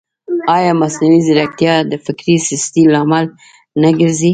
ایا مصنوعي ځیرکتیا د فکري سستۍ لامل نه ګرځي؟